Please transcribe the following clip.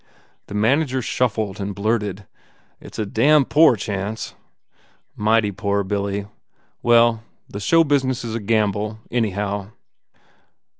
The manager shuffled and blurted, "It s a damn poor chance." "Mighty poor, Billy. Well, the show bu.siness is a gamble, anyhow."